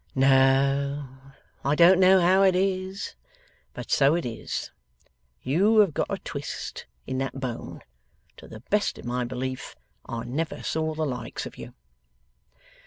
'No, I don't know how it is, but so it is. You have got a twist in that bone, to the best of my belief. I never saw the likes of you.